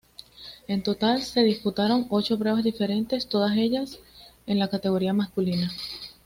En total se disputaron ocho pruebas diferentes, todas ellas en la categoría masculina.